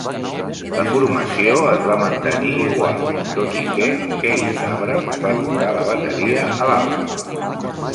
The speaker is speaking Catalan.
La formació es va mantenir igual, tot i que Keith Abrams va tocar la bateria a l'àlbum.